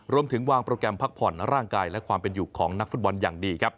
รวมถึงวางโปรแกรมพักผ่อนร่างกายและความเป็นอยู่ของนักฟุตบอลอย่างดีครับ